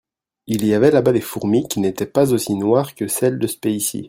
Il y avait là-bas des fourmis qui n'étaient pas aussi noires que celles de ce pays-ci.